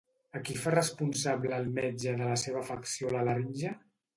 A qui fa responsable el metge de la seva afecció a la laringe?